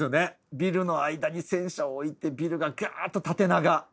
ビルの間に戦車を置いてビルがガーッと縦長！